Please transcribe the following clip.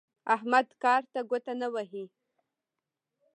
احمد کار ته ګوته نه وهي.